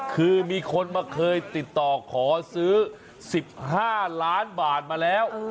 คือมีคนมาเคยติดต่อขอซื้อ๑๕ล้านบาทมาแล้ว